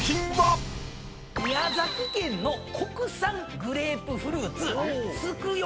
宮崎県の国産グレープフルーツ月夜